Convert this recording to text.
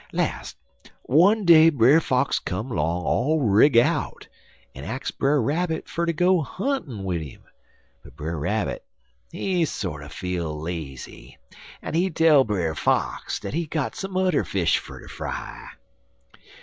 "Las', one day Brer Fox come 'long all rig out, en ax Brer Rabbit fer ter go huntin' wid 'im, but Brer Rabbit, he sorter feel lazy, en he tell Brer Fox dat he got some udder fish fer ter fry.